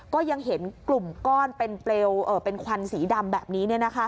ก็ยังเห็นกลุ่มก้อนเป็นควันสีดำแบบนี้